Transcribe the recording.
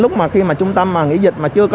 lúc mà khi mà trung tâm nghỉ dịch mà chưa có tiền